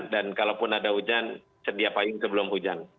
dan kalaupun ada hujan sedia paling sebelum hujan